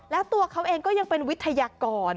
แล้วตัวเขาเองก็ยังเป็นวิทยากร